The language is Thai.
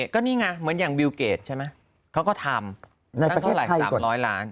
ก็นี่ไงเหมือนอย่างบิวเกดใช่ไหมเขาก็ทำตั้งเท่าไหร่๓๐๐ล้าน